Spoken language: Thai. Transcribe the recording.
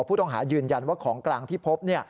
ผู้ต้องหายืนยันว่าของกลางที่พบ